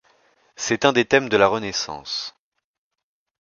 C'est un des thèmes de la Renaissance.